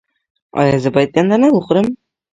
ایا زه باید ګندنه وخورم؟